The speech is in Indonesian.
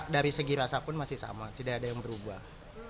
dari segi rasa pun masih sama tidak ada yang berubah